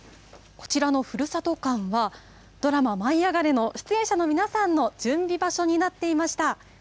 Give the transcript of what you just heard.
こちらのふるさと館は、ドラマ、舞いあがれ！の出演者の皆さんの準備場所になっていました。